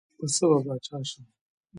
پۀ څۀ به باچا شم ـ